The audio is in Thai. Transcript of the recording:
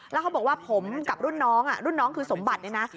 แล้วเขาบอกว่าผมกับรุ่นน้องรุ่นน้องคือสมบัติเนี่ยนะ